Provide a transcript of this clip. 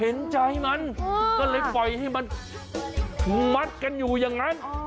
เห็นใจมันก็เลยปล่อยให้มันมัดกันอยู่อย่างนั้น